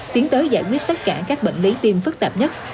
tiến tới giải quyết tất cả các bệnh lý tim phức tạp nhất